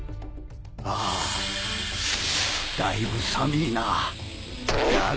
ああだいぶ寒ぃなぁ。